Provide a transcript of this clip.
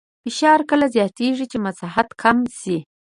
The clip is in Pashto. فشار کله زیاتېږي چې مساحت کم شي.